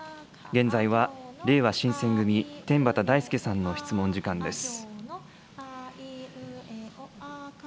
現在はれいわ新選組、天畠大輔さんの質問時間です。